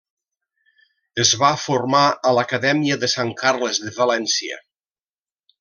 Es va formar a l'Acadèmia de Sant Carles de València.